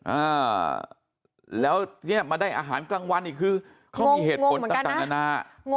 อ่าแล้วเนี่ยมาได้อาหารกลางวันอีกคือเขามีเหตุผลต่างต่างนานา